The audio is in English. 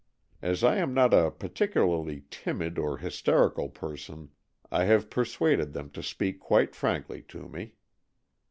As I am not a particularly timid or hysterical person, I have persuaded them to speak quite frankly to me.